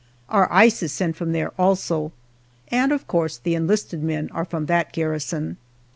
Our ice is sent from there, also, and of course the enlisted men are from that garrison.